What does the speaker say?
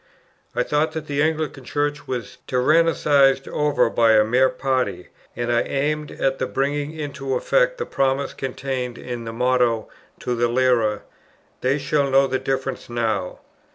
I thought that the Anglican Church was tyrannized over by a mere party, and I aimed at bringing into effect the promise contained in the motto to the Lyra, "They shall know the difference now."